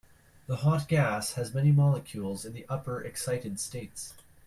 The hot gas has many molecules in the upper excited states.